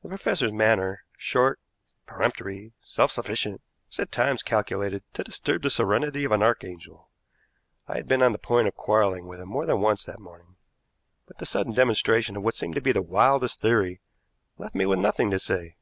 The professor's manner, short, peremptory, self sufficient, was at times calculated to disturb the serenity of an archangel. I had been on the point of quarreling with him more than once that morning, but the sudden demonstration of what seemed to be the wildest theory left me with nothing to say.